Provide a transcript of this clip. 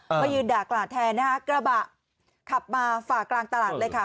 มายืนด่ากลาดแทนนะคะกระบะขับมาฝ่ากลางตลาดเลยค่ะ